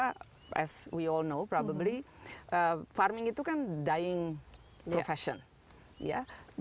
seperti yang kita semua tahu farming itu kan profesional yang mati